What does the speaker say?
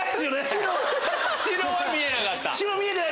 白は見えなかった。